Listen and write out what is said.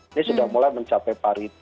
ini sudah mulai mencapai parit